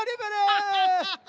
アハハハ！